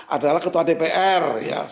adalah ketua dpr